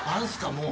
もう。